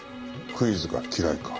クイズが嫌いか。